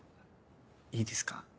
いいですか？